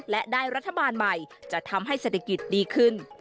และได้รัฐบาลใหม่จะทำให้เศรษฐกิจดีขึ้น